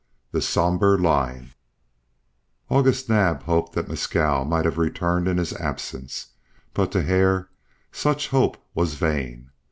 THE SOMBRE LINE AUGUST NAAB hoped that Mescal might have returned in his absence; but to Hare such hope was vain.